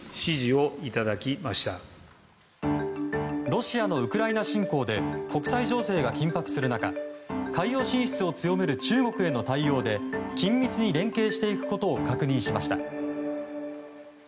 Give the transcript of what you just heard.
ロシアのウクライナ侵攻で国際情勢が緊迫する中海洋進出を強める中国への対応で緊密に連携していくことを確認しました。